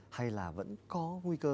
hay là vẫn có nguy cơ